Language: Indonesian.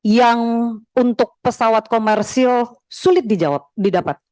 yang untuk pesawat komersil sulit dijawab didapat